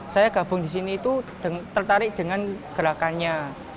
saya gabung di sini itu tertarik dengan gerakannya